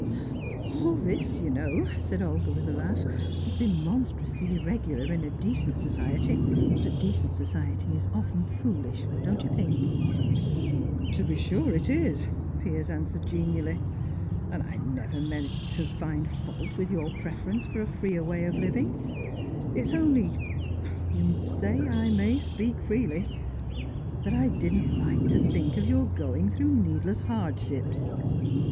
"All this, you know," said Olga, with a laugh, "would be monstrously irregular in decent society, but decent society is often foolish, don't you think?" "To be sure it is," Piers answered genially, "and I never meant to find fault with your preference for a freer way of living. It is only you say I may speak freely that I didn't like to think of your going through needless hardships."